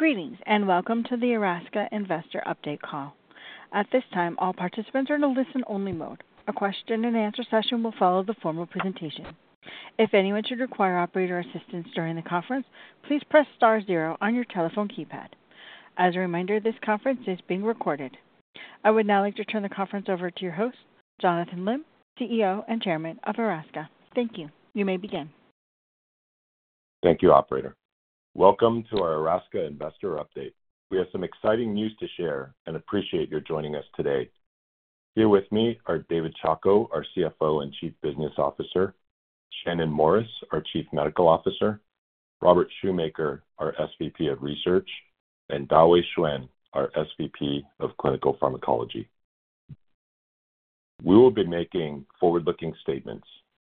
Greetings, and welcome to the Erasca investor update call. At this time, all participants are in a listen-only mode. A question-and-answer session will follow the formal presentation. If anyone should require operator assistance during the conference, please press star zero on your telephone keypad. As a reminder, this conference is being recorded. I would now like to turn the conference over to your host, Jonathan Lim, CEO and Chairman of Erasca. Thank you. You may begin. Thank you, operator. Welcome to our Erasca Investor Update. We have some exciting news to share and appreciate you joining us today. Here with me are David Chacko, our CFO and Chief Business Officer, Shannon Morris, our Chief Medical Officer, Robert Shoemaker, our SVP of Research, and Dawei Xuan, our SVP of Clinical Pharmacology. We will be making forward-looking statements.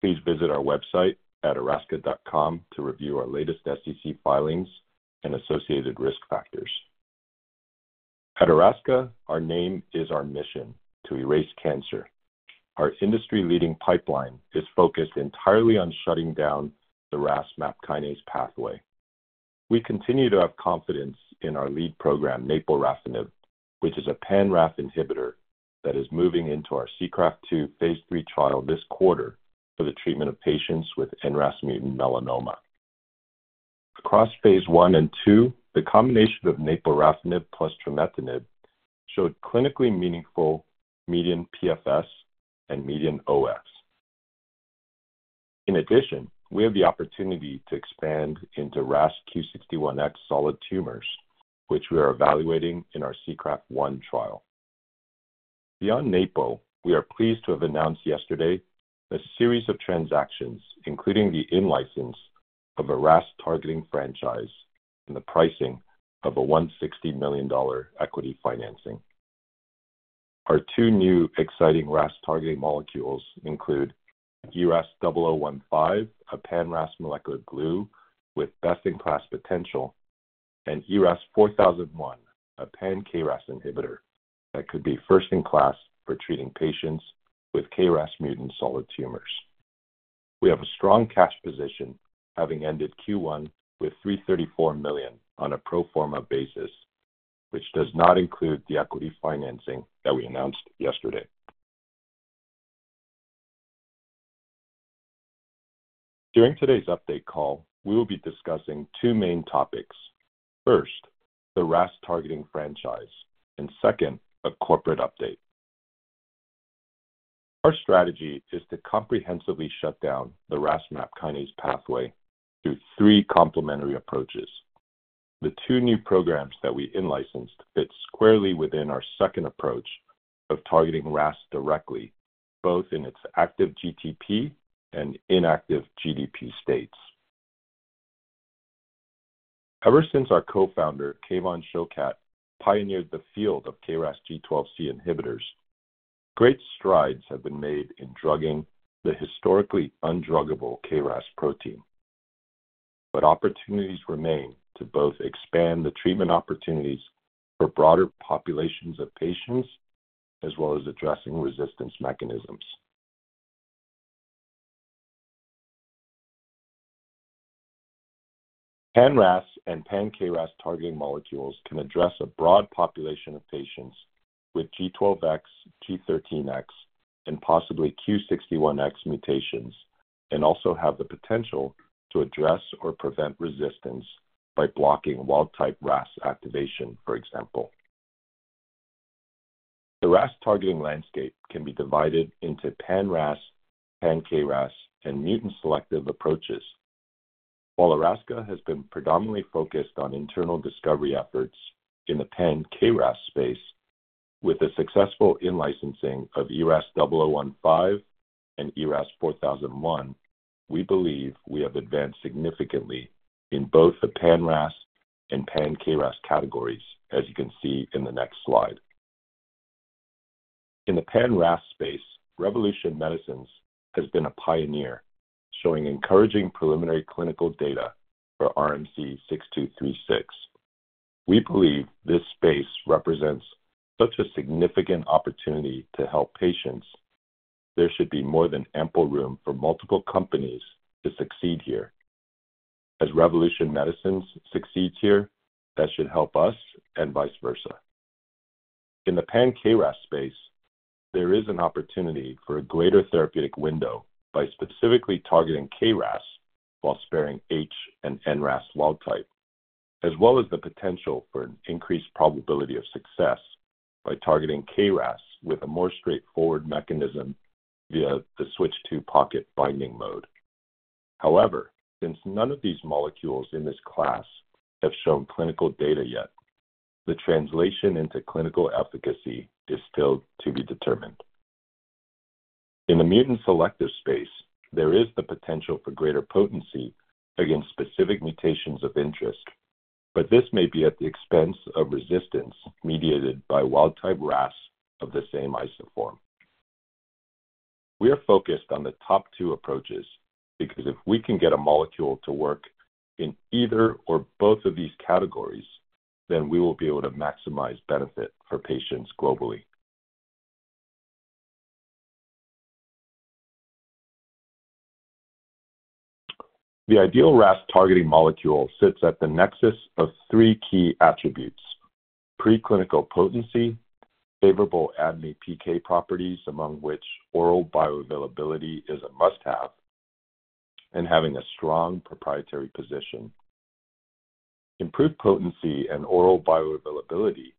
Please visit our website at erasca.com to review our latest SEC filings and associated risk factors. At Erasca, our name is our mission, to erase cancer. Our industry-leading pipeline is focused entirely on shutting down the RAS/MAPK pathway. We continue to have confidence in our lead program, naporafenib, which is a pan-RAS inhibitor that is moving into our SEACRAFT-2 phase III trial this quarter for the treatment of patients with NRAS mutant melanoma. Across phase I and II, the combination of naporafenib plus trametinib showed clinically meaningful median PFS and median OS. In addition, we have the opportunity to expand into RAS Q61X solid tumors, which we are evaluating in our SEACRAFT-1 trial. Beyond NAPO, we are pleased to have announced yesterday a series of transactions, including the in-license of a RAS targeting franchise and the pricing of a $160 million equity financing. Our two new exciting RAS targeting molecules include ERAS-0015, a pan-RAS molecular glue with best-in-class potential, and ERAS-4001, a pan-KRAS inhibitor that could be first in class for treating patients with KRAS mutant solid tumors. We have a strong cash position, having ended Q1 with $334 million on a pro forma basis, which does not include the equity financing that we announced yesterday. During today's update call, we will be discussing two main topics. First, the RAS targeting franchise, and second, a corporate update. Our strategy is to comprehensively shut down the RAS/MAPK pathway through three complementary approaches. The two new programs that we in-licensed fit squarely within our second approach of targeting RAS directly, both in its active GTP and inactive GDP states. Ever since our co-founder, Kevan Shokat, pioneered the field of KRAS G12C inhibitors, great strides have been made in drugging the historically undruggable KRAS protein. But opportunities remain to both expand the treatment opportunities for broader populations of patients, as well as addressing resistance mechanisms. Pan-RAS and pan-KRAS targeting molecules can address a broad population of patients with G12X, G13X, and possibly Q61X mutations, and also have the potential to address or prevent resistance by blocking wild-type RAS activation, for example. The RAS targeting landscape can be divided into pan-RAS, pan-KRAS, and mutant-selective approaches. While Erasca has been predominantly focused on internal discovery efforts in the pan-KRAS space with the successful in-licensing of ERAS-0015 and ERAS-4001, we believe we have advanced significantly in both the pan-RAS and pan-KRAS categories, as you can see in the next slide. In the pan-RAS space, Revolution Medicines has been a pioneer, showing encouraging preliminary clinical data for RMC-6236. We believe this space represents such a significant opportunity to help patients. There should be more than ample room for multiple companies to succeed here. As Revolution Medicines succeeds here, that should help us and vice versa. In the pan-KRAS space, there is an opportunity for a greater therapeutic window by specifically targeting KRAS while sparing H and NRAS wild type, as well as the potential for an increased probability of success by targeting KRAS with a more straightforward mechanism via the Switch II pocket binding mode. However, since none of these molecules in this class have shown clinical data yet, the translation into clinical efficacy is still to be determined. In the mutant-selective space, there is the potential for greater potency against specific mutations of interest, but this may be at the expense of resistance mediated by wild-type RAS of the same isoform. We are focused on the top two approaches because if we can get a molecule to work in either or both of these categories, then we will be able to maximize benefit for patients globally. The ideal RAS targeting molecule sits at the nexus of three key attributes: preclinical potency, favorable ADME PK properties, among which oral bioavailability is a must-have, and having a strong proprietary position. Improved potency and oral bioavailability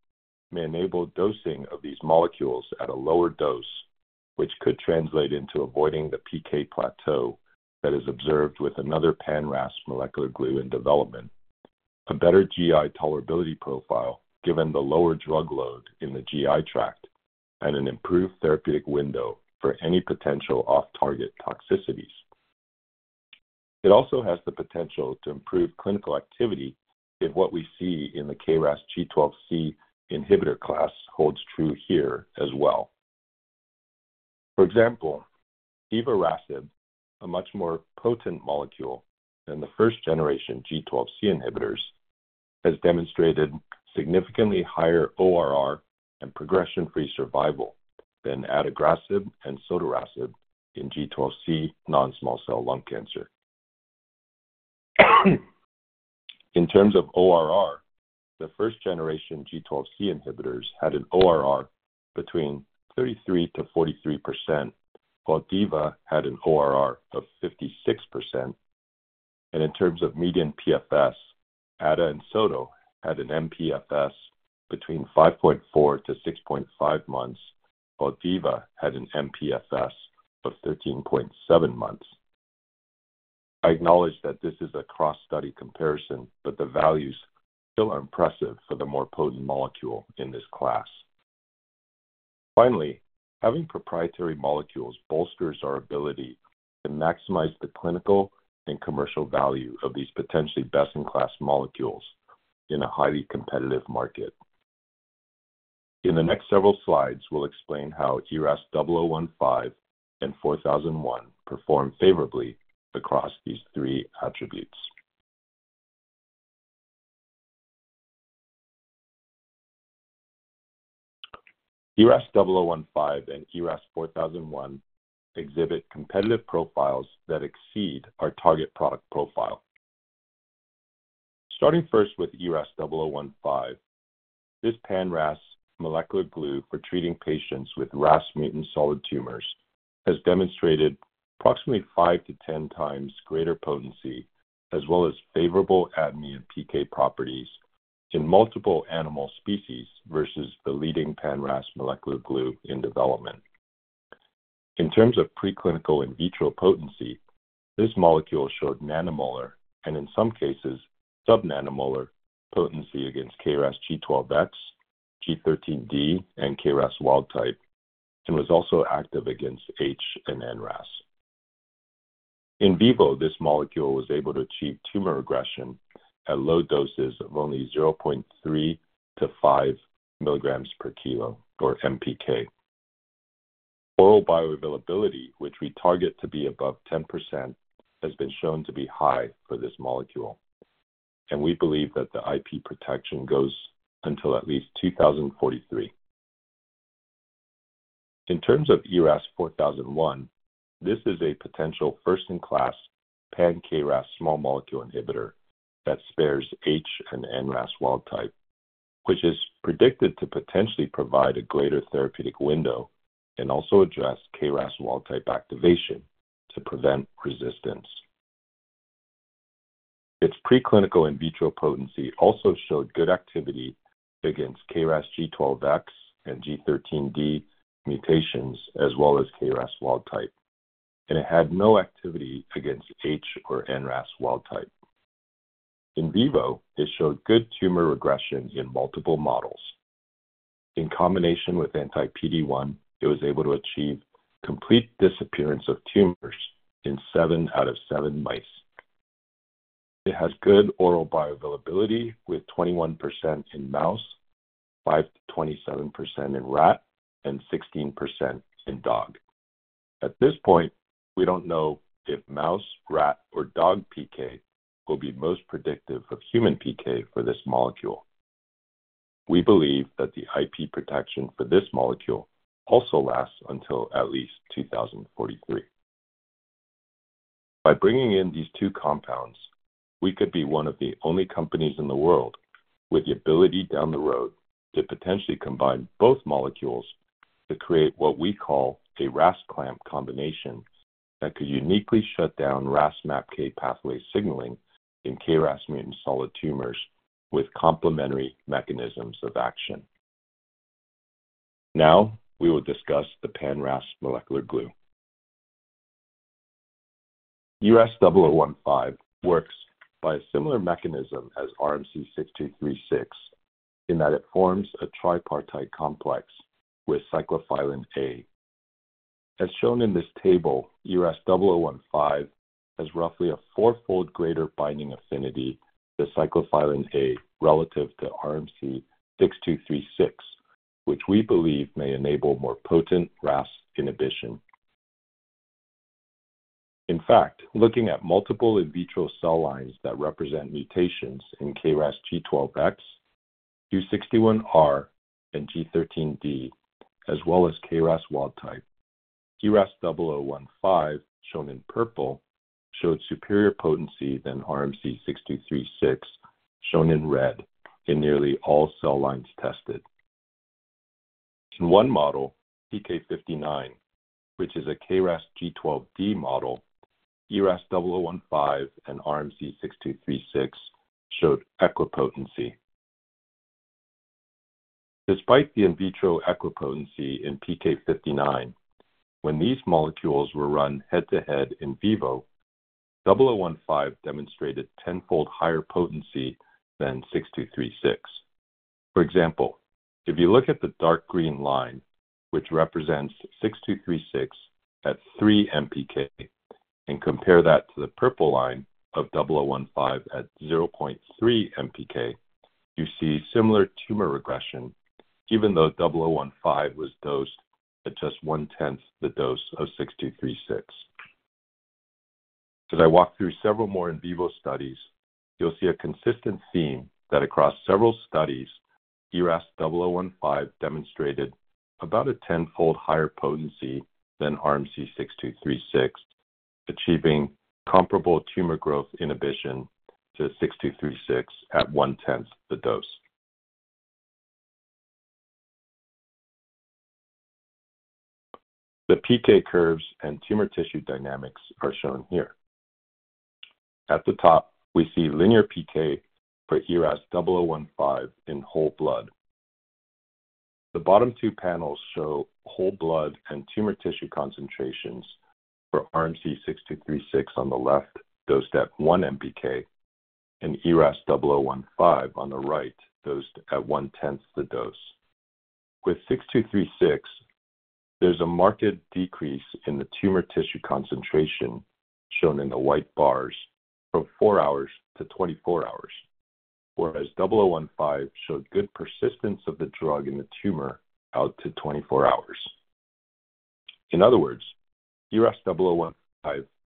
may enable dosing of these molecules at a lower dose, which could translate into avoiding the PK plateau that is observed with another pan-RAS molecular glue in development. A better GI tolerability profile, given the lower drug load in the GI tract and an improved therapeutic window for any potential off-target toxicities. It also has the potential to improve clinical activity if what we see in the KRAS G12C inhibitor class holds true here as well. For example, divarasib, a much more potent molecule than the first-generation G12C inhibitors, has demonstrated significantly higher ORR and progression-free survival than adagrasib and sotorasib in G12C non-small cell lung cancer. In terms of ORR, the first-generation G12C inhibitors had an ORR between 33%-43%, while Diva had an ORR of 56%. And in terms of median PFS, Ada and Soto had an mPFS between 5.4-6.5 months, while Diva had an mPFS of 13.7 months. I acknowledge that this is a cross-study comparison, but the values still are impressive for the more potent molecule in this class. Finally, having proprietary molecules bolsters our ability to maximize the clinical and commercial value of these potentially best-in-class molecules in a highly competitive market. In the next several slides, we'll explain how ERAS-0015 and ERAS-4001 perform favorably across these three attributes. ERAS-0015 and ERAS-4001 exhibit competitive profiles that exceed our target product profile. Starting first with ERAS-0015, this pan-RAS molecular glue for treating patients with RAS mutant solid tumors has demonstrated approximately 5x-10x greater potency, as well as favorable ADME and PK properties in multiple animal species versus the leading pan-RAS molecular glue in development. In terms of preclinical in vitro potency, this molecule showed nanomolar, and in some cases, subnanomolar potency against KRAS G12X, G13D, and KRAS wild type, and was also active against HRAS and NRAS. In vivo, this molecule was able to achieve tumor regression at low doses of only 0.3-5 mg/kg or MPK. Oral bioavailability, which we target to be above 10%, has been shown to be high for this molecule, and we believe that the IP protection goes until at least 2043. In terms of ERAS-4001, this is a potential first-in-class pan-KRAS small molecule inhibitor that spares H and NRAS wild type, which is predicted to potentially provide a greater therapeutic window and also address KRAS wild type activation to prevent resistance. Its preclinical in vitro potency also showed good activity against KRAS G12X and G13D mutations, as well as KRAS wild type, and it had no activity against H or NRAS wild type. In vivo, it showed good tumor regression in multiple models. In combination with anti-PD-1, it was able to achieve complete disappearance of tumors in 7/7 mice. It has good oral bioavailability, with 21% in mouse, 5%-27% in rat, and 16% in dog. At this point, we don't know if mouse, rat, or dog PK will be most predictive of human PK for this molecule. We believe that the IP protection for this molecule also lasts until at least 2043. By bringing in these two compounds, we could be one of the only companies in the world with the ability, down the road, to potentially combine both molecules to create what we call a RAS clamp combination, that could uniquely shut down RAS MAPK pathway signaling in KRAS mutant solid tumors with complementary mechanisms of action. Now, we will discuss the pan-RAS molecular glue. ERAS-0015 works by a similar mechanism as RMC-6236, in that it forms a tripartite complex with Cyclophilin A. As shown in this table, ERAS-0015 has roughly a four-fold greater binding affinity to Cyclophilin A relative to RMC-6236, which we believe may enable more potent RAS inhibition. In fact, looking at multiple in vitro cell lines that represent mutations in KRAS G12X, Q61R and G13D, as well as KRAS wild type. ERAS-0015, shown in purple, showed superior potency than RMC-6236, shown in red, in nearly all cell lines tested. In one model, PK-59, which is a KRAS G12D model, ERAS-0015 and RMC-6236 showed equipotency. Despite the in vitro equipotency in PK-59, when these molecules were run head-to-head in vivo, ERAS-0015 demonstrated tenfold higher potency than RMC-6236. For example, if you look at the dark green line, which represents RMC-6236 at 3 MPK, and compare that to the purple line of ERAS-0015 at 0.3 MPK, you see similar tumor regression, even though ERAS-0015 was dosed at just one-tenth the dose of RMC-6236. As I walk through several more in vivo studies, you'll see a consistent theme that across several studies, ERAS-0015 demonstrated about a tenfold higher potency than RMC-6236, achieving comparable tumor growth inhibition to RMC-6236 at one-tenth the dose. The PK curves and tumor tissue dynamics are shown here. At the top, we see linear PK for ERAS-0015 in whole blood. The bottom two panels show whole blood and tumor tissue concentrations for RMC-6236 on the left, dosed at 1 MPK, and ERAS-0015 on the right, dosed at one-tenth the dose. With RMC-6236, there's a marked decrease in the tumor tissue concentration, shown in the white bars, from 4 hours to 24 hours. Whereas ERAS-0015 showed good persistence of the drug in the tumor out to 24 hours. In other words, ERAS-0015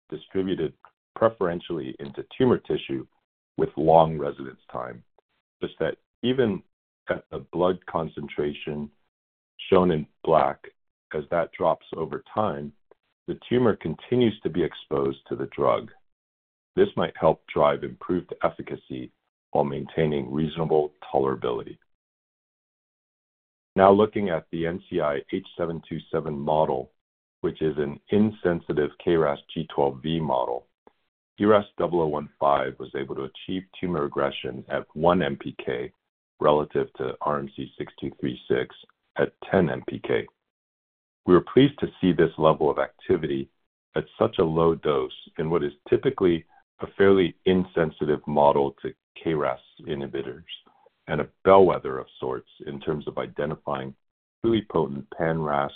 distributed preferentially into tumor tissue with long residence time, such that even at the blood concentration shown in black, as that drops over time, the tumor continues to be exposed to the drug. This might help drive improved efficacy while maintaining reasonable tolerability. Now, looking at the NCI-H727 model, which is an insensitive KRAS G12V model, ERAS-0015 was able to achieve tumor regression at 1 MPK relative to RMC-6236 at 10 MPK. We were pleased to see this level of activity at such a low dose in what is typically a fairly insensitive model to KRAS inhibitors and a bellwether of sorts in terms of identifying truly potent pan-RAS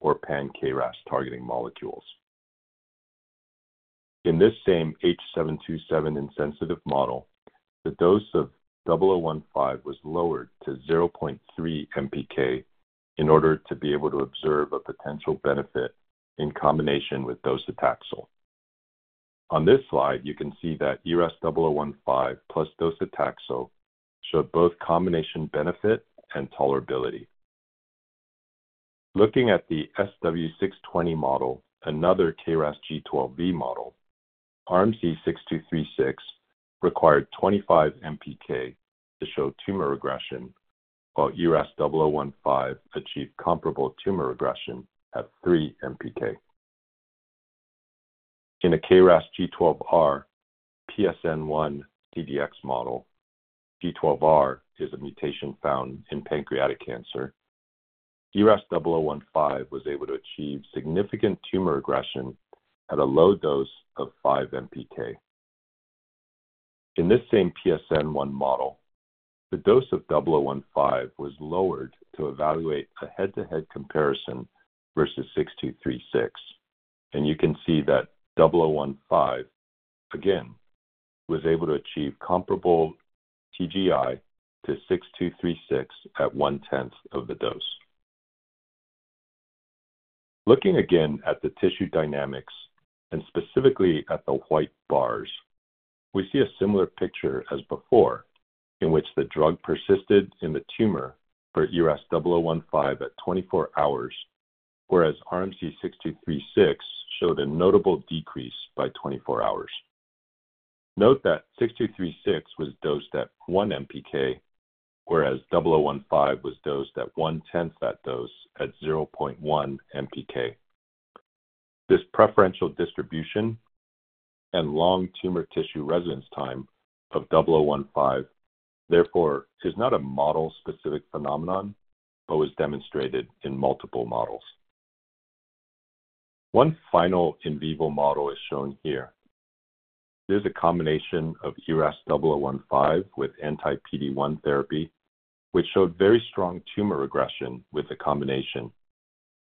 or pan-KRAS-targeting molecules. In this same H727 insensitive model, the dose of ERAS-0015 was lowered to 0.3 MPK in order to be able to observe a potential benefit in combination with docetaxel. On this slide, you can see that ERAS-0015 + docetaxel showed both combination benefit and tolerability. Looking at the SW620 model, another KRAS G12V model, RMC-6236 required 25 MPK to show tumor regression, while ERAS-0015 achieved comparable tumor regression at 3 MPK. In a KRAS G12R PSN-1 CDX model, G12R is a mutation found in pancreatic cancer. ERAS-0015 was able to achieve significant tumor regression at a low dose of 5 MPK. In this same PSN-1 model, the dose of ERAS-0015 was lowered to evaluate a head-to-head comparison versus RMC-6236, and you can see that ERAS-0015, again, was able to achieve comparable TGI to RMC-6236 at one-tenth of the dose. Looking again at the tissue dynamics, and specifically at the white bars, we see a similar picture as before, in which the drug persisted in the tumor for ERAS-0015 at 24 hours, whereas RMC-6236 showed a notable decrease by 24 hours. Note that RMC-6236 was dosed at 1 MPK, whereas ERAS-0015 was dosed at one-tenth that dose at 0.1 MPK. This preferential distribution and long tumor tissue residence time of ERAS-0015, therefore, is not a model-specific phenomenon, but was demonstrated in multiple models. One final in vivo model is shown here. It is a combination of ERAS-0015 with anti-PD-1 therapy, which showed very strong tumor regression with the combination,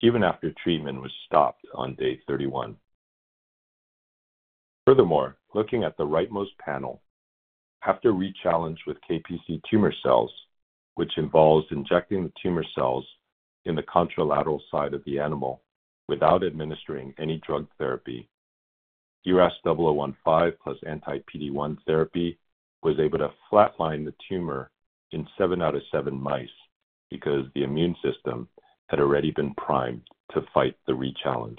even after treatment was stopped on day 31. Furthermore, looking at the rightmost panel, after re-challenge with KPC tumor cells, which involves injecting the tumor cells in the contralateral side of the animal without administering any drug therapy, ERAS-0015 + anti-PD-1 therapy was able to flatline the tumor in 7 out of 7 mice because the immune system had already been primed to fight the rechallenge.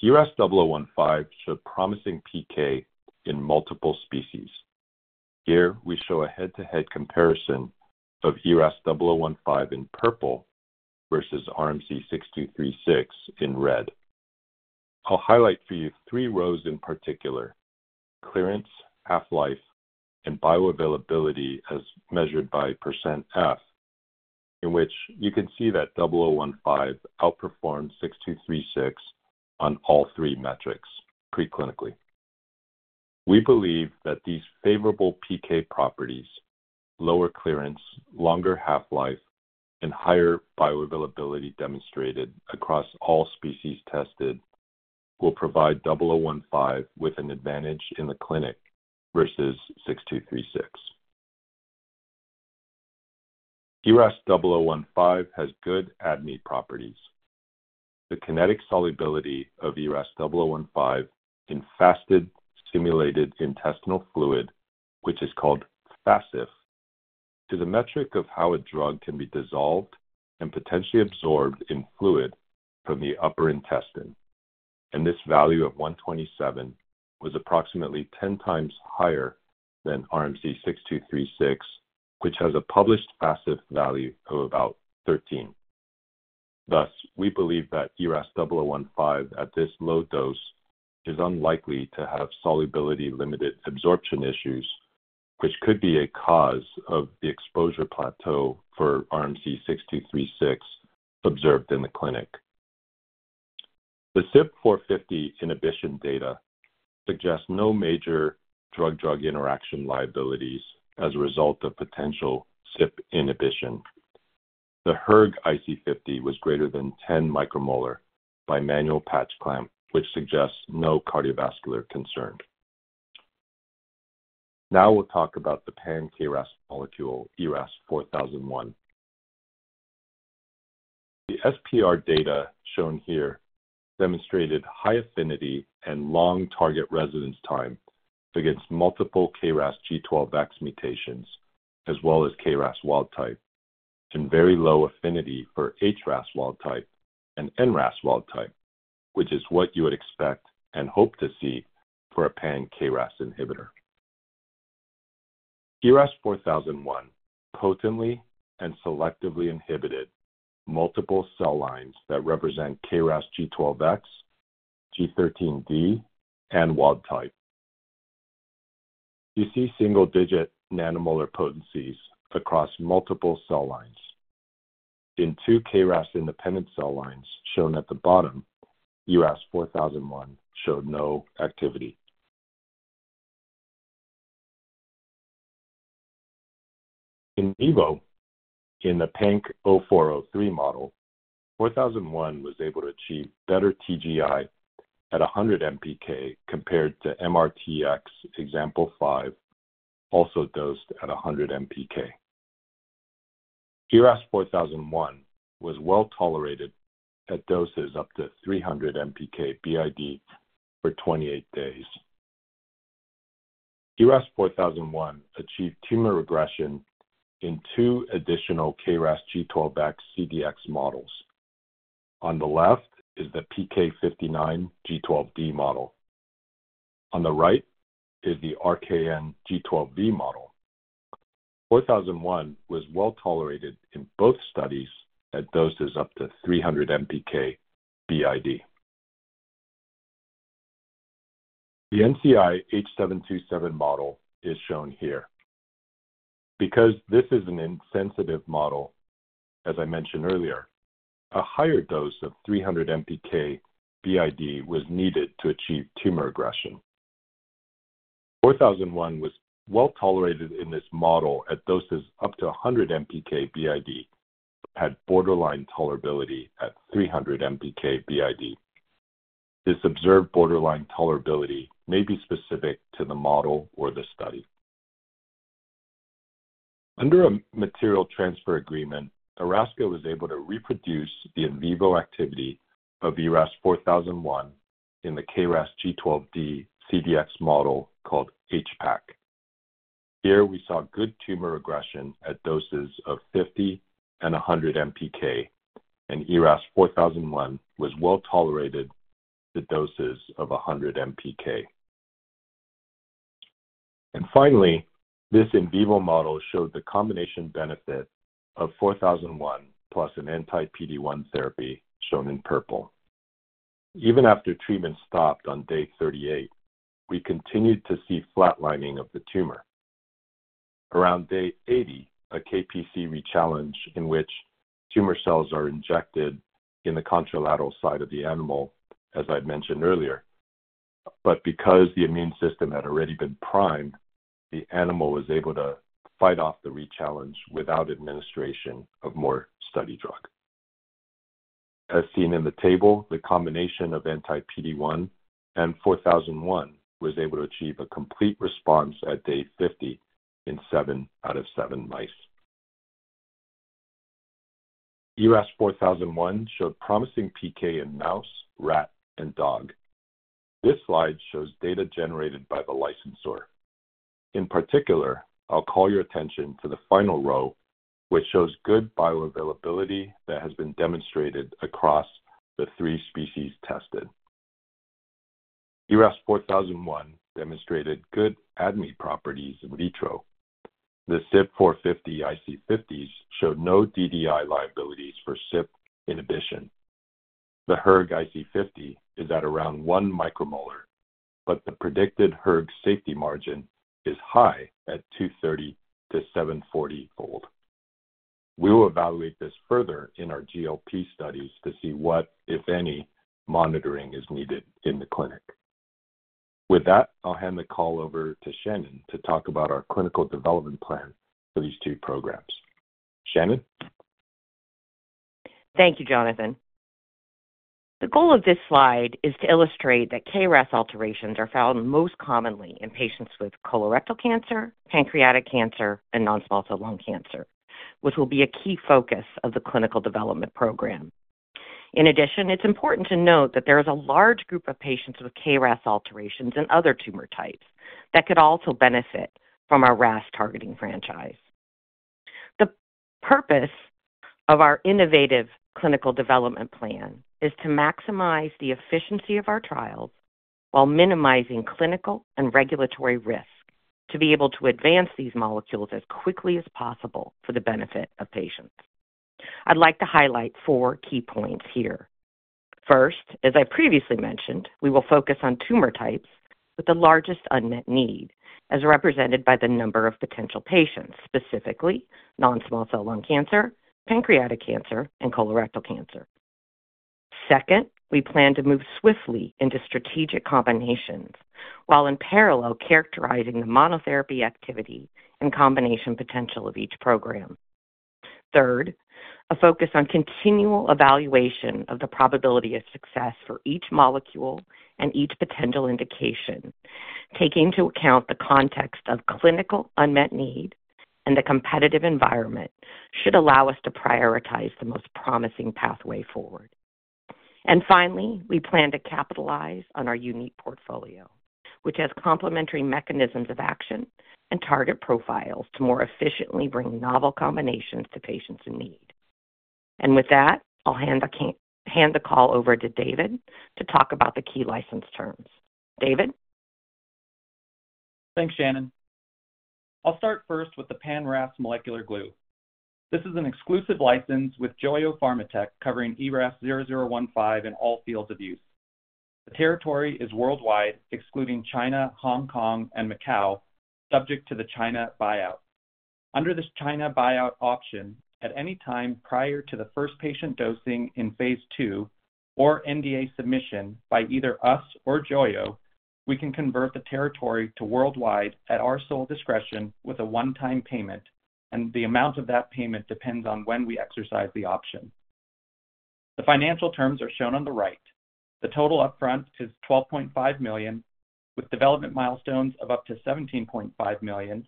ERAS-0015 showed promising PK in multiple species. Here, we show a head-to-head comparison of ERAS-0015 in purple versus RMC-6236 in red. I'll highlight for you 3 rows in particular: clearance, half-life, and bioavailability as measured by %F, in which you can see that 0015 outperforms 6236 on all three metrics pre-clinically. We believe that these favorable PK properties, lower clearance, longer half-life, and higher bioavailability demonstrated across all species tested, will provide ERAS-0015 with an advantage in the clinic versus RMC-6236. ERAS-0015 has good ADME properties. The kinetic solubility of ERAS-0015 in fasted state simulated intestinal fluid, which is called FaSSIF, is a metric of how a drug can be dissolved and potentially absorbed in fluid from the upper intestine, and this value of 127 was approximately 10x higher than RMC-6236, which has a published FaSSIF value of about 13. Thus, we believe that ERAS-0015 at this low dose is unlikely to have solubility-limited absorption issues, which could be a cause of the exposure plateau for RMC-6236 observed in the clinic. The CYP450 inhibition data suggests no major drug-drug interaction liabilities as a result of potential CYP inhibition. The hERG IC50 was greater than 10 micromolar by manual patch clamp, which suggests no cardiovascular concern. Now we'll talk about the pan-KRAS molecule, ERAS-4001. The SPR data shown here demonstrated high affinity and long target residence time against multiple KRAS G12X mutations, as well as KRAS wild type, and very low affinity for HRAS wild type and NRAS wild type, which is what you would expect and hope to see for a pan-KRAS inhibitor. ERAS-4001 potently and selectively inhibited multiple cell lines that represent KRAS G12X, G13D, and wild type. You see single-digit nanomolar potencies across multiple cell lines. In two KRAS-independent cell lines shown at the bottom, ERAS-4001 showed no activity. In vivo, in the PDX-0403 model, ERAS-4001 was able to achieve better TGI at 100 MPK compared to MRTX example 5, also dosed at 100 MPK. ERAS-4001 was well-tolerated at doses up to 300 MPK BID for 28 days. ERAS-4001 achieved tumor regression in 2 additional KRAS G12X CDX models. On the left is the PK-59 G12D model. On the right is the RKN G12V model. 4001 was well-tolerated in both studies at doses up to 300 MPK BID. The NCI-H727 model is shown here. Because this is an insensitive model, as I mentioned earlier, a higher dose of 300 MPK BID was needed to achieve tumor regression. 4001 was well-tolerated in this model at doses up to 100 MPK BID, but had borderline tolerability at 300 MPK BID. This observed borderline tolerability may be specific to the model or the study. Under a material transfer agreement, Erasca was able to reproduce the in vivo activity of ERAS-4001 in the KRAS G12D CDX model called HPAC. Here, we saw good tumor regression at doses of 50 and 100 MPK, and ERAS-4001 was well-tolerated at doses of 100 MPK. Finally, this in vivo model showed the combination benefit of ERAS-4001 plus an anti-PD-1 therapy, shown in purple. Even after treatment stopped on day 38, we continued to see flatlining of the tumor. Around day 80, a KPC rechallenge in which tumor cells are injected in the contralateral side of the animal, as I'd mentioned earlier, but because the immune system had already been primed, the animal was able to fight off the rechallenge without administration of more study drug. As seen in the table, the combination of anti-PD-1 and ERAS-4001 was able to achieve a complete response at day 50 in 7/7 mice. ERAS-4001 showed promising PK in mouse, rat, and dog. This slide shows data generated by the licensor. In particular, I'll call your attention to the final row, which shows good bioavailability that has been demonstrated across the three species tested. ERAS-4001 demonstrated good ADME properties in vitro. The CYP450 IC50s showed no DDI liabilities for CYP. In addition, the hERG IC50 is at around one micromolar, but the predicted hERG safety margin is high at 230-740-fold. We will evaluate this further in our GLP studies to see what, if any, monitoring is needed in the clinic. With that, I'll hand the call over to Shannon to talk about our clinical development plan for these two programs. Shannon? Thank you, Jonathan. The goal of this slide is to illustrate that KRAS alterations are found most commonly in patients with colorectal cancer, pancreatic cancer, and non-small cell lung cancer, which will be a key focus of the clinical development program. In addition, it's important to note that there is a large group of patients with KRAS alterations and other tumor types that could also benefit from our RAS targeting franchise. The purpose of our innovative clinical development plan is to maximize the efficiency of our trials while minimizing clinical and regulatory risk, to be able to advance these molecules as quickly as possible for the benefit of patients. I'd like to highlight four key points here. First, as I previously mentioned, we will focus on tumor types with the largest unmet need, as represented by the number of potential patients, specifically non-small cell lung cancer, pancreatic cancer, and colorectal cancer. Second, we plan to move swiftly into strategic combinations, while in parallel, characterizing the monotherapy activity and combination potential of each program. Third, a focus on continual evaluation of the probability of success for each molecule and each potential indication, taking into account the context of clinical unmet need and the competitive environment, should allow us to prioritize the most promising pathway forward. And finally, we plan to capitalize on our unique portfolio, which has complementary mechanisms of action and target profiles to more efficiently bring novel combinations to patients in need. And with that, I'll hand the call over to David to talk about the key license terms. David? Thanks, Shannon. I'll start first with the pan-RAS molecular glue. This is an exclusive license with Joyo Pharmatech, covering ERAS-0015 in all fields of use. The territory is worldwide, excluding China, Hong Kong, and Macau, subject to the China buyout. Under this China buyout option, at any time prior to the first patient dosing in phase II or NDA submission by either us or Joyo, we can convert the territory to worldwide at our sole discretion with a one-time payment, and the amount of that payment depends on when we exercise the option. The financial terms are shown on the right. The total upfront is $12.5 million, with development milestones of up to $17.5 million.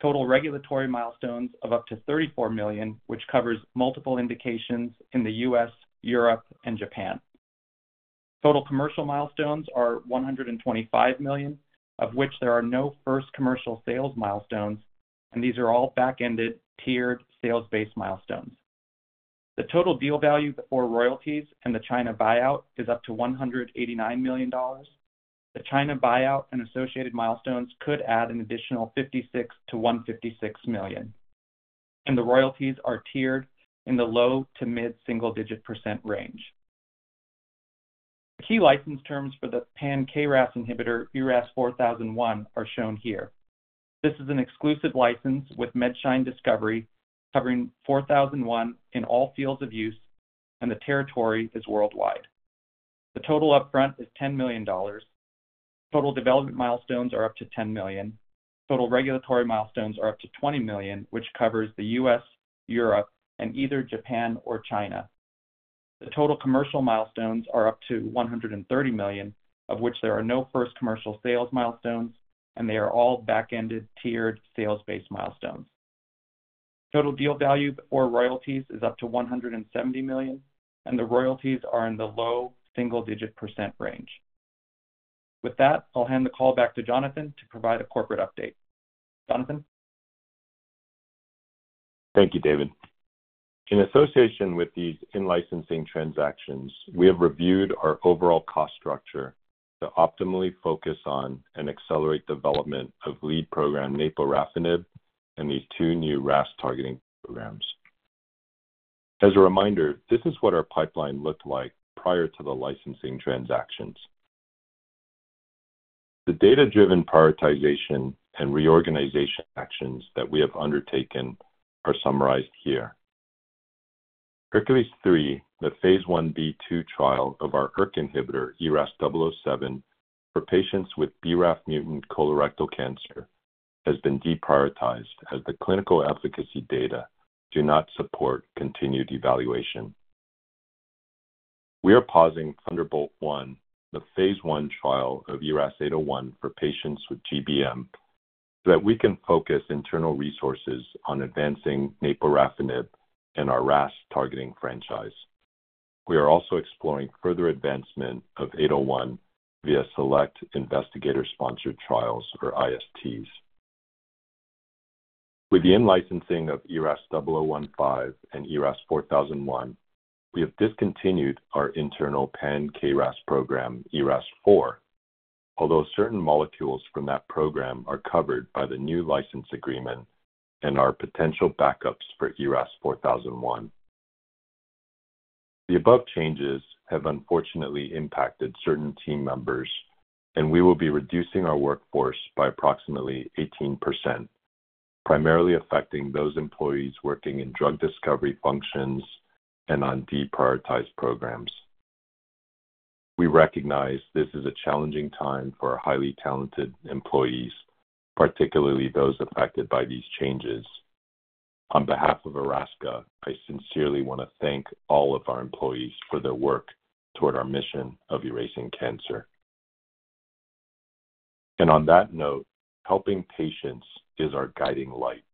Total regulatory milestones of up to $34 million, which covers multiple indications in the U.S., Europe, and Japan. Total commercial milestones are $125 million, of which there are no first commercial sales milestones, and these are all back-ended, tiered sales-based milestones. The total deal value before royalties and the China buyout is up to $189 million. The China buyout and associated milestones could add an additional $56 million-$156 million, and the royalties are tiered in the low- to mid-single-digit percent range. The key license terms for the Pan-KRAS inhibitor, ERAS-4001, are shown here. This is an exclusive license with MedShine Discovery, covering 4001 in all fields of use, and the territory is worldwide. The total upfront is $10 million. Total development milestones are up to $10 million. Total regulatory milestones are up to $20 million, which covers the U.S., Europe, and either Japan or China. The total commercial milestones are up to $130 million, of which there are no first commercial sales milestones, and they are all back-ended, tiered sales-based milestones. Total deal value before royalties is up to $170 million, and the royalties are in the low double-single-digit percent range. With that, I'll hand the call back to Jonathan to provide a corporate update. Jonathan? Thank you, David. In association with these in-licensing transactions, we have reviewed our overall cost structure to optimally focus on and accelerate development of lead program naporafenib and these two new RAS targeting programs. As a reminder, this is what our pipeline looked like prior to the licensing transactions. The data-driven prioritization and reorganization actions that we have undertaken are summarized here. HERCULES-3, the phase I-B/II trial of our ERK inhibitor, ERAS-007, for patients with BRAF mutant colorectal cancer, has been deprioritized as the clinical efficacy data do not support continued evaluation. We are pausing THUNDERBOLT-1, the phase I trial of ERAS-801 for patients with GBM, so that we can focus internal resources on advancing naporafenib and our RAS targeting franchise. We are also exploring further advancement of 801 via select investigator-sponsored trials, or ISTs. With the in-licensing of ERAS-0015 and ERAS-4001, we have discontinued our internal pan-KRAS program, ERAS-4. Although certain molecules from that program are covered by the new license agreement and are potential backups for ERAS-4001. The above changes have unfortunately impacted certain team members, and we will be reducing our workforce by approximately 18%, primarily affecting those employees working in drug discovery functions and on deprioritized programs. We recognize this is a challenging time for our highly talented employees, particularly those affected by these changes. On behalf of Erasca, I sincerely want to thank all of our employees for their work toward our mission of erasing cancer. On that note, helping patients is our guiding light.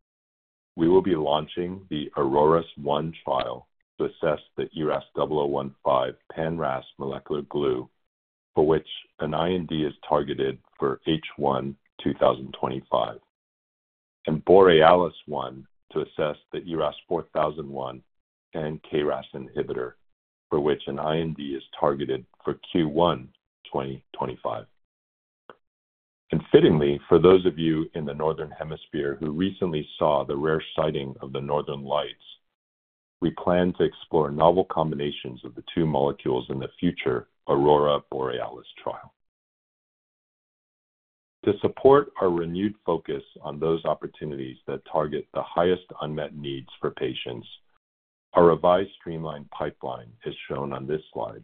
We will be launching the AURORAS-1 trial to assess the ERAS-0015 pan-RAS molecular glue, for which an IND is targeted for H1 2025, and BOREALIS-1 to assess the ERAS-4001 pan-KRAS inhibitor, for which an IND is targeted for Q1 2025. And fittingly, for those of you in the Northern Hemisphere who recently saw the rare sighting of the Northern Lights, we plan to explore novel combinations of the two molecules in the future AURORA Borealis trial. To support our renewed focus on those opportunities that target the highest unmet needs for patients, our revised streamlined pipeline is shown on this slide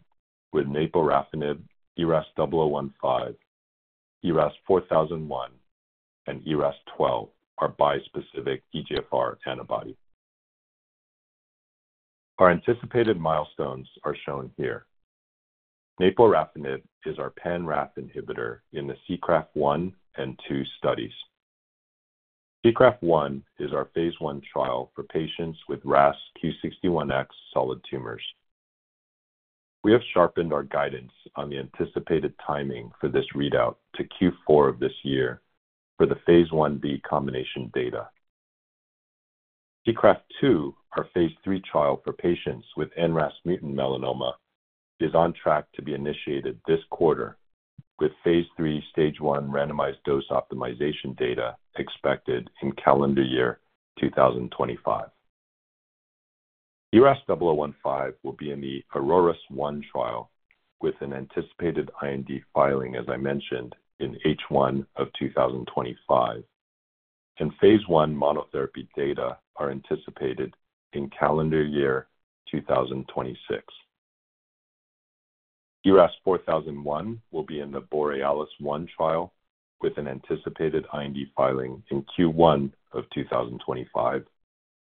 with naporafenib, ERAS-0015, ERAS-4001, and ERAS-12, our bispecific EGFR antibody. Our anticipated milestones are shown here. Naporafenib is our pan-RAF inhibitor in the SEACRAFT-1 and SEACRAFT-2 studies. SEACRAFT-1 is our phase I trial for patients with RAS Q61X solid tumors. We have sharpened our guidance on the anticipated timing for this readout to Q4 of this year for the phase I-B combination data. SEACRAFT-2, our phase III trial for patients with NRAS mutant melanoma, is on track to be initiated this quarter, with phase III, stage 1 randomized dose optimization data expected in calendar year 2025. ERAS-0015 will be in the AURORAS-1 trial with an anticipated IND filing, as I mentioned, in H1 of 2025, and phase I monotherapy data are anticipated in calendar year 2026. ERAS-4001 will be in the BOREALIS-1 trial, with an anticipated IND filing in Q1 of 2025,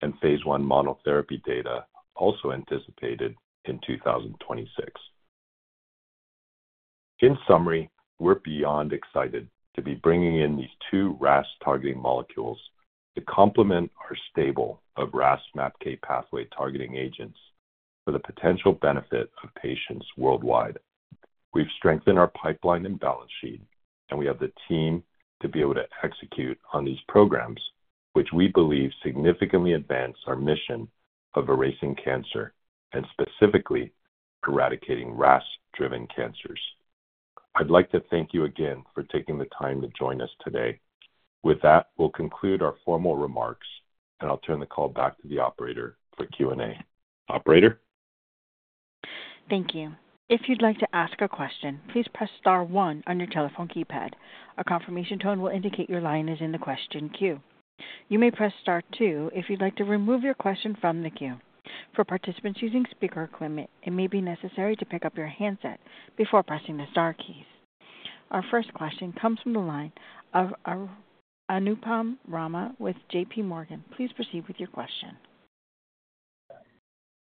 and Phase I monotherapy data also anticipated in 2026. In summary, we're beyond excited to be bringing in these two RAS-targeting molecules to complement our stable of RAS/MAPK pathway targeting agents for the potential benefit of patients worldwide. We've strengthened our pipeline and balance sheet, and we have the team to be able to execute on these programs, which we believe significantly advance our mission of erasing cancer and specifically eradicating RAS-driven cancers. I'd like to thank you again for taking the time to join us today. With that, we'll conclude our formal remarks, and I'll turn the call back to the operator for Q&A. Operator? Thank you. If you'd like to ask a question, please press star one on your telephone keypad. A confirmation tone will indicate your line is in the question queue. You may press star two if you'd like to remove your question from the queue. For participants using speaker equipment, it may be necessary to pick up your handset before pressing the star keys. Our first question comes from the line of Anupam Rama with JPMorgan. Please proceed with your question.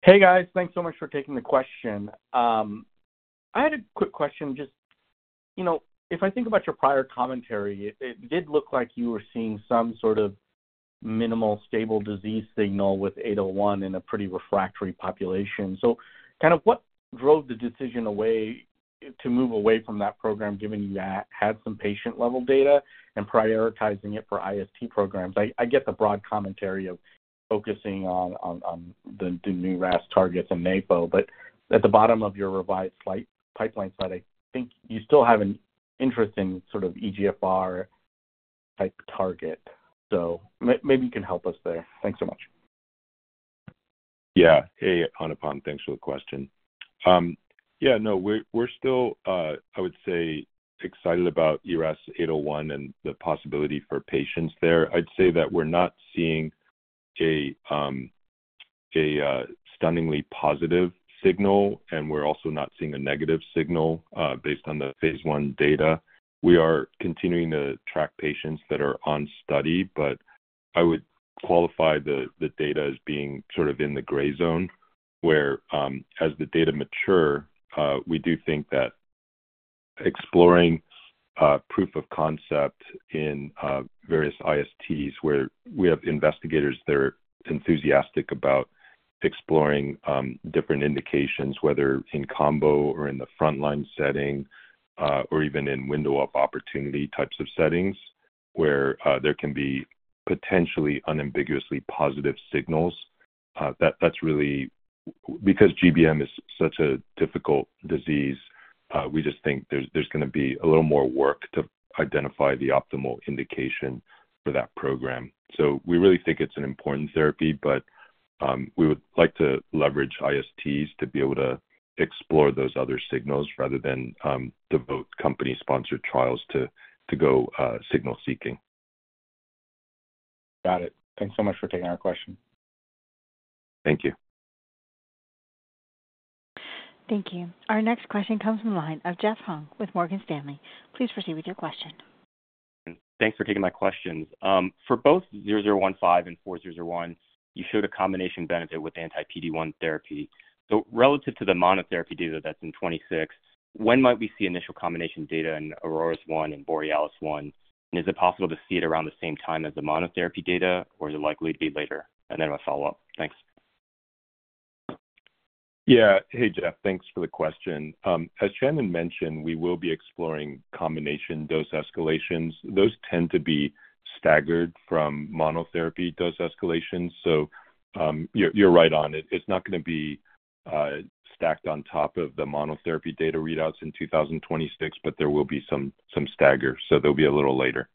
Hey, guys. Thanks so much for taking the question. I had a quick question. Just, you know, if I think about your prior commentary, it did look like you were seeing some sort of minimal stable disease signal with 801 in a pretty refractory population. So kind of what drove the decision away, to move away from that program, given you had some patient-level data and prioritizing it for IST programs? I get the broad commentary of focusing on the new RAS targets and NAPO, but at the bottom of your revised slide, pipeline slide, I think you still have an interesting sort of EGFR-type target. So maybe you can help us there. Thanks so much. Yeah. Hey, Anupam. Thanks for the question. Yeah, no, we're still, I would say, excited about ERAS-801 and the possibility for patients there. I'd say that we're not seeing a stunningly positive signal, and we're also not seeing a negative signal based on the phase I data. We are continuing to track patients that are on study, but—I would qualify the data as being sort of in the gray zone, where, as the data mature, we do think that exploring proof of concept in various ISTs, where we have investigators that are enthusiastic about exploring different indications, whether in combo or in the frontline setting, or even in window of opportunity types of settings, where there can be potentially unambiguously positive signals, that that's really because GBM is such a difficult disease, we just think there's going to be a little more work to identify the optimal indication for that program. So we really think it's an important therapy, but we would like to leverage ISTs to be able to explore those other signals rather than devote company-sponsored trials to go signal-seeking. Got it. Thanks so much for taking our question. Thank you. Thank you. Our next question comes from the line of Jeff Hung with Morgan Stanley. Please proceed with your question. Thanks for taking my questions. For both ERAS-0015 and ERAS-4001, you showed a combination benefit with anti-PD-1 therapy. So relative to the monotherapy data that's in 2026, when might we see initial combination data in AURORAS-1 and BOREALIS-1, and is it possible to see it around the same time as the monotherapy data, or is it likely to be later? And then my follow-up. Thanks. Yeah. Hey, Jeff, thanks for the question. As Shannon mentioned, we will be exploring combination dose escalations. Those tend to be staggered from monotherapy dose escalation. So, you're, you're right on it. It's not going to be stacked on top of the monotherapy data readouts in 2026, but there will be some, some stagger, so there'll be a little later.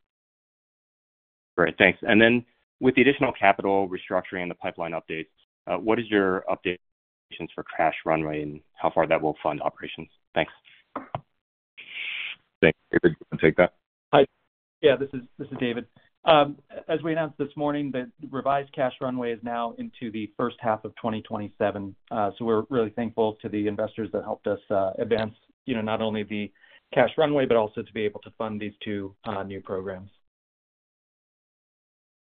Great, thanks. And then with the additional capital restructuring and the pipeline updates, what is your update for cash runway and how far that will fund operations? Thanks. Thanks. David, you want to take that? Hi. Yeah, this is David. As we announced this morning, the revised cash runway is now into the first half of 2027. So we're really thankful to the investors that helped us advance, you know, not only the cash runway, but also to be able to fund these two new programs.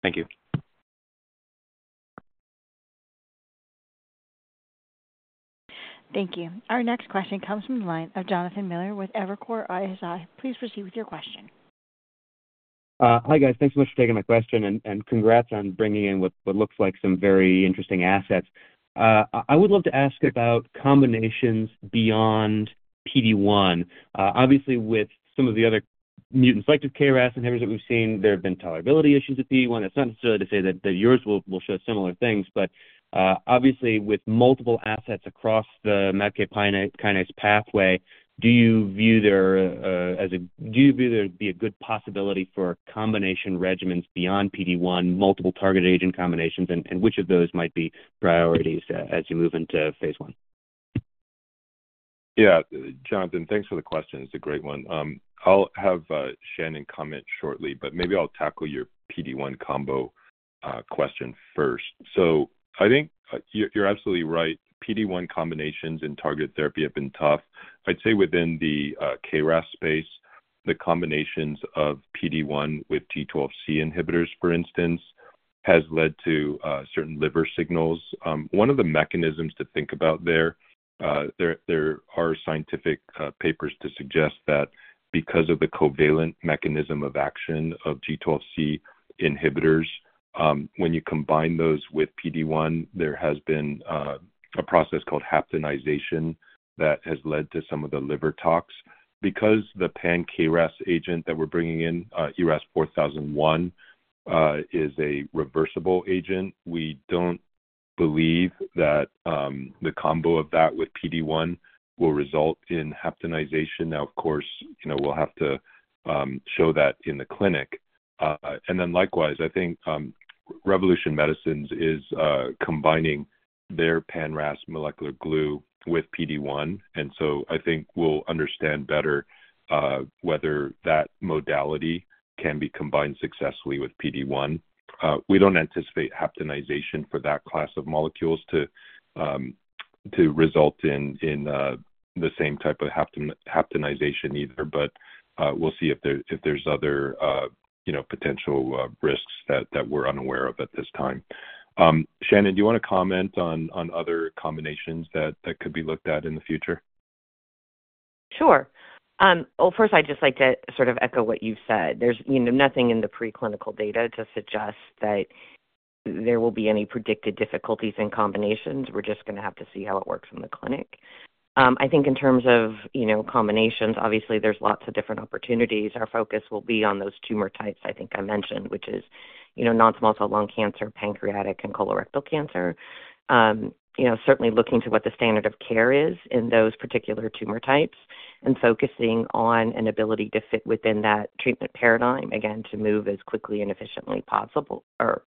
Thank you. Thank you. Our next question comes from the line of Jonathan Miller with Evercore ISI. Please proceed with your question. Hi, guys. Thanks so much for taking my question, and congrats on bringing in what looks like some very interesting assets. I would love to ask about combinations beyond PD-1. Obviously, with some of the other mutant selective KRAS inhibitors that we've seen, there have been tolerability issues with PD-1. That's not necessarily to say that yours will show similar things, but obviously, with multiple assets across the MAP kinase pathway, do you view there to be a good possibility for combination regimens beyond PD-1, multiple targeted agent combinations, and which of those might be priorities as you move into phase I? Yeah. Jonathan, thanks for the question. It's a great one. I'll have, Shannon comment shortly, but maybe I'll tackle your PD-1 combo, question first. So I think you're absolutely right. PD-1 combinations in targeted therapy have been tough. I'd say within the, KRAS space, the combinations of PD-1 with G12C inhibitors, for instance, has led to, certain liver signals. One of the mechanisms to think about there. There are scientific, papers to suggest that because of the covalent mechanism of action of G12C inhibitors, when you combine those with PD-1, there has been, a process called haptenization that has led to some of the liver tox. Because the pan-KRAS agent that we're bringing in, ERAS-4001, is a reversible agent, we don't believe that the combo of that with PD-1 will result in haptenization. Now, of course, you know, we'll have to show that in the clinic. And then likewise, I think, Revolution Medicines is combining their pan-RAS molecular glue with PD-1, and so I think we'll understand better whether that modality can be combined successfully with PD-1. We don't anticipate haptenization for that class of molecules to result in the same type of haptenization either, but we'll see if there's other, you know, potential risks that we're unaware of at this time. Shannon, do you want to comment on other combinations that could be looked at in the future? Sure. Well, first, I'd just like to sort of echo what you've said. There's, you know, nothing in the preclinical data to suggest that there will be any predicted difficulties in combinations. We're just going to have to see how it works in the clinic. I think in terms of, you know, combinations, obviously there's lots of different opportunities. Our focus will be on those tumor types I think I mentioned, which is, you know, non-small cell lung cancer, pancreatic, and colorectal cancer. You know, certainly looking to what the standard of care is in those particular tumor types and focusing on an ability to fit within that treatment paradigm, again, to move as quickly and efficiently as possible or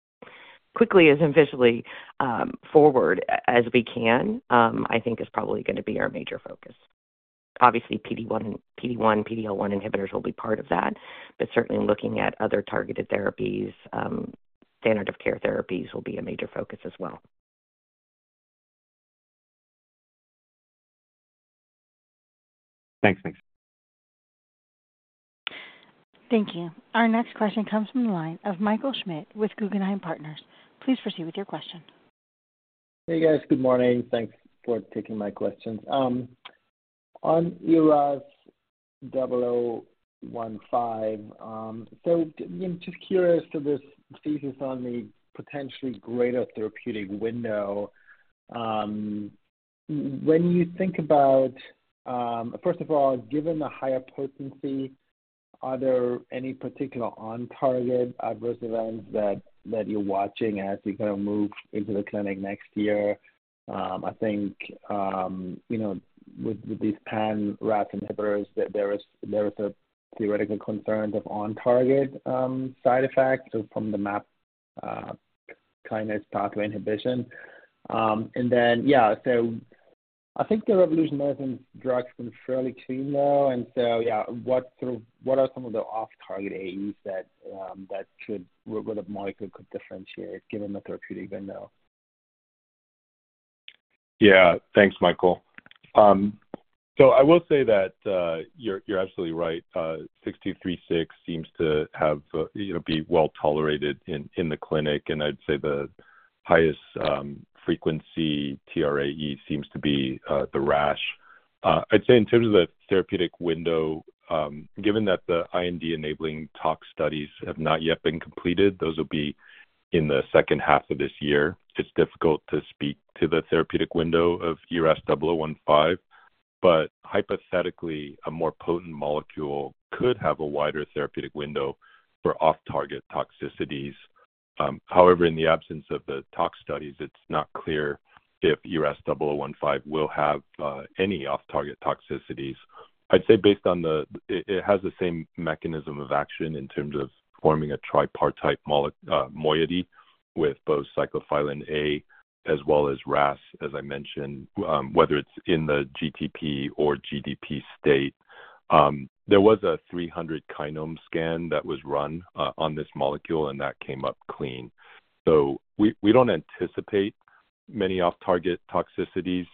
quickly as efficiently, forward as we can, I think is probably going to be our major focus. Obviously, PD-1, PD-1, PD-L1 inhibitors will be part of that, but certainly looking at other targeted therapies, standard of care therapies will be a major focus as well. Thanks. Thanks. Thank you. Our next question comes from the line of Michael Schmidt with Guggenheim Partners. Please proceed with your question. Hey, guys. Good morning. Thanks for taking my questions. On ERAS-0015, so just curious to this thesis on the potentially greater therapeutic window. When you think about—first of all, given the higher potency, are there any particular on-target adverse events that you're watching as you kind of move into the clinic next year? I think, you know, with these pan-RAS inhibitors, that there is a theoretical concern of on-target side effects, so from the MAP kinase pathway inhibition. And then, yeah, so I think the Revolution Medicines drug has been fairly clean, though. And so, yeah, what sort of- what are some of the off-target AEs that should, what a molecule could differentiate given the therapeutic window? Yeah. Thanks, Michael. So I will say that, you're absolutely right, RMC-6236 seems to have, you know, be well tolerated in the clinic, and I'd say the highest frequency TRAE seems to be the rash. I'd say in terms of the therapeutic window, given that the IND-enabling tox studies have not yet been completed, those will be in the second half of this year. It's difficult to speak to the therapeutic window of ERAS-0015, but hypothetically, a more potent molecule could have a wider therapeutic window for off-target toxicities. However, in the absence of the tox studies, it's not clear if ERAS-0015 will have any off-target toxicities. I'd say based on it, it has the same mechanism of action in terms of forming a tripartite molecular moiety with both Cyclophilin A as well as RAS, as I mentioned, whether it's in the GTP or GDP state. There was a 300 kinome scan that was run on this molecule, and that came up clean. So we don't anticipate many off-target toxicities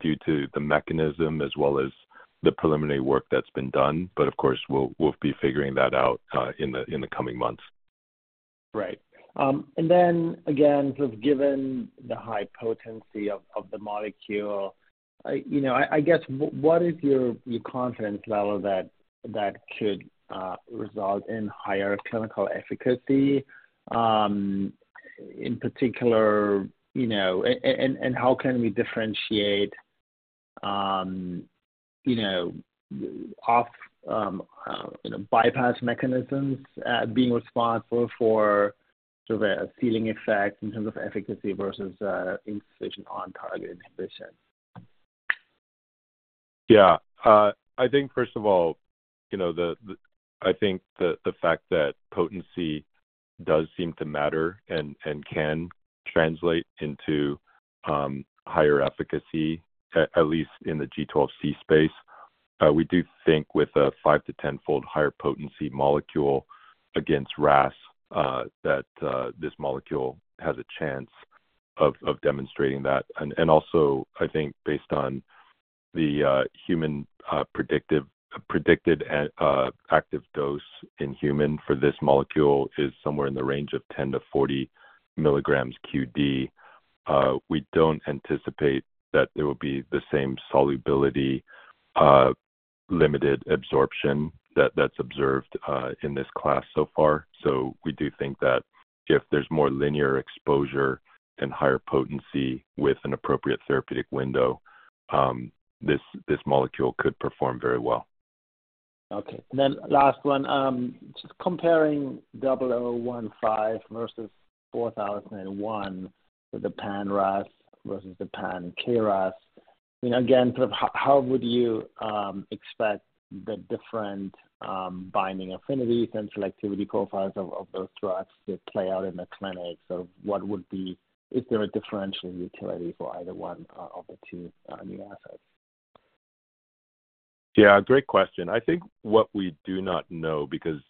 due to the mechanism as well as the preliminary work that's been done, but of course, we'll be figuring that out in the coming months. Right. And then again, just given the high potency of the molecule, you know, I guess, what is your confidence level that that could result in higher clinical efficacy? In particular, you know, and how can we differentiate, you know, of bypass mechanisms being responsible for the ceiling effect in terms of efficacy versus insufficient on-target inhibition? Yeah. I think first of all, you know, I think the fact that potency does seem to matter and can translate into higher efficacy, at least in the G12C space. We do think with a five to 10-fold higher potency molecule against RAS, that this molecule has a chance of demonstrating that. And also, I think based on the human predictive active dose in human for this molecule is somewhere in the range of 10-40 mg QD. We don't anticipate that there will be the same solubility limited absorption that's observed in this class so far. So we do think that if there's more linear exposure and higher potency with an appropriate therapeutic window, this molecule could perform very well. Okay. Then last one, just comparing 0015 versus 4001 for the pan-RAS versus the pan-KRAS. Again, sort of how would you expect the different binding affinities and selectivity profiles of those drugs to play out in the clinic? So what would be—is there a differential utility for either one of the two new assets? Yeah, great question. I think what we do not know, because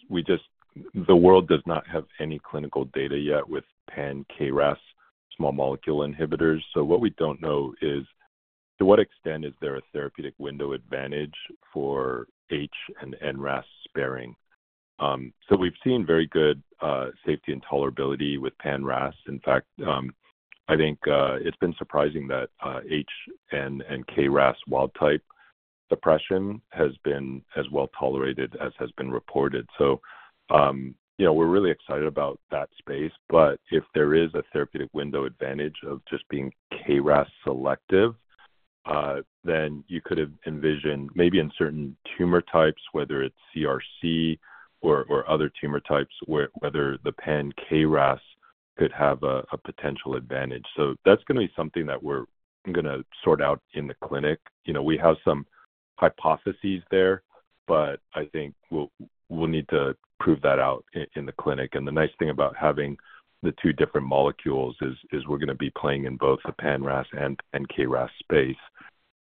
the world does not have any clinical data yet with pan-KRAS small molecule inhibitors. So what we don't know is, to what extent is there a therapeutic window advantage for H- and N-RAS sparing? So we've seen very good safety and tolerability with pan-RAS. In fact, I think it's been surprising that H-, N- and KRAS wild-type expression has been as well tolerated as has been reported. So, you know, we're really excited about that space, but if there is a therapeutic window advantage of just being KRAS selective, then you could have envisioned, maybe in certain tumor types, whether it's CRC or other tumor types, whether the pan-KRAS could have a potential advantage. So that's going to be something that we're gonna sort out in the clinic. You know, we have some hypotheses there, but I think we'll need to prove that out in the clinic. And the nice thing about having the two different molecules is we're going to be playing in both the pan-RAS and KRAS space.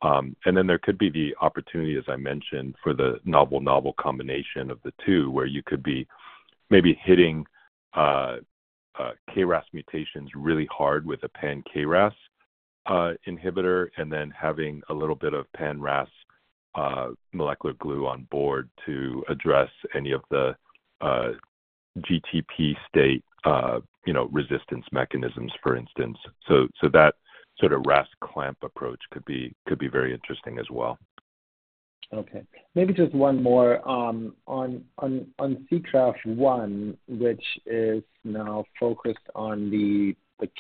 And then there could be the opportunity, as I mentioned, for the novel combination of the two, where you could be maybe hitting KRAS mutations really hard with a pan-KRAS inhibitor, and then having a little bit of pan-RAS molecular glue on board to address any of the GTP state, you know, resistance mechanisms, for instance. So that sort of RAS clamp approach could be very interesting as well. Okay. Maybe just one more. On SEACRAFT-1, which is now focused on the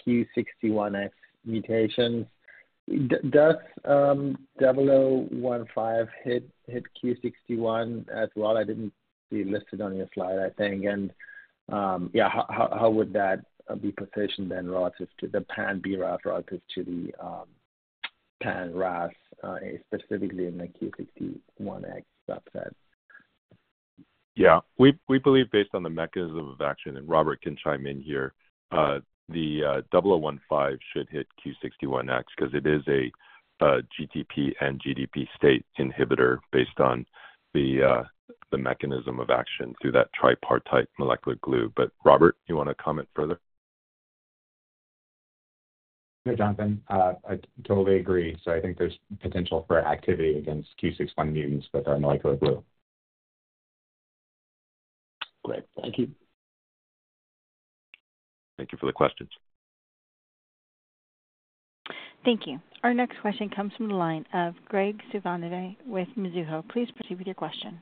Q61X mutation, does ERAS-0015 hit Q61 as well? I didn't see it listed on your slide, I think. Yeah, how would that be positioned then, relative to the pan-RAF relative to the pan-RAS, specifically in the Q61X subset? Yeah, we believe based on the mechanism of action, and Robert can chime in here, the ERAS-0015 should hit Q61X, 'cause it is a GTP and GDP state inhibitor based on the mechanism of action through that tripartite molecular glue. But Robert, you want to comment further? Yeah, Jonathan, I totally agree. So I think there's potential for activity against Q61 mutants with our molecular glue. Great, thank you. Thank you for the questions. Thank you. Our next question comes from the line of Graig Suvannavejh with Mizuho. Please proceed with your question.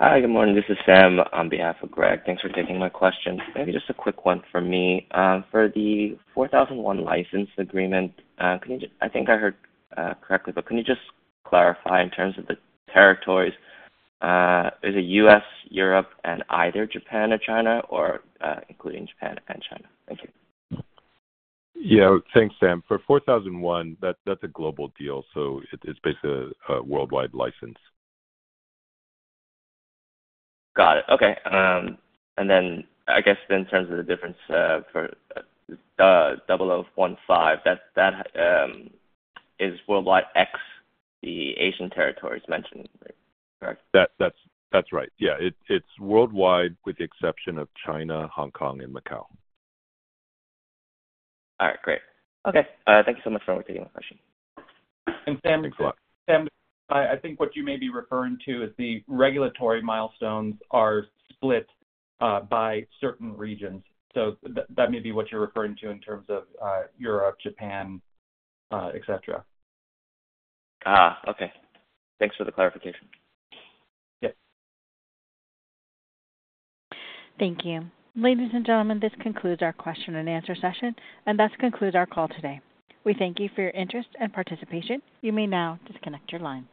Hi, good morning. This is Sam on behalf of Graig. Thanks for taking my questions. Maybe just a quick one for me. For the 4001 license agreement, can you just, I think I heard correctly, but can you just clarify in terms of the territories? Is it U.S., Europe, and either Japan or China, or including Japan and China? Thank you. Yeah. Thanks, Sam. For 4001, that, that's a global deal, so it is basically a, a worldwide license. Got it. Okay. And then I guess in terms of the difference for ERAS-0015, that is worldwide ex the Asian territories mentioned, correct? That's right. Yeah. It's worldwide with the exception of China, Hong Kong, and Macau. All right, great. Okay, thank you so much for taking my question. And Sam. Thanks a lot. Sam, I think what you may be referring to is the regulatory milestones are split by certain regions. So that may be what you're referring to in terms of Europe, Japan, etc. Ah, okay. Thanks for the clarification. Yep. Thank you. Ladies and gentlemen, this concludes our question-and-answer session, and thus concludes our call today. We thank you for your interest and participation. You may now disconnect your lines.